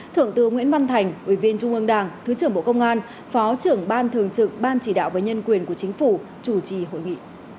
thượng tướng nguyễn văn thành ủy viên trung ương đảng thứ trưởng bộ công an phó trưởng ban thường trực ban chỉ đạo với nhân quyền của chính phủ chủ trì hội nghị